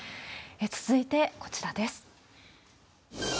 続いて、こちらです。